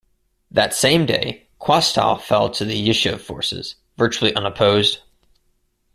That same day, Qastal fell to the Yishuv forces, virtually unopposed.